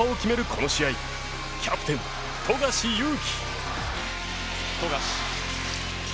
この試合キャプテン・富樫勇樹。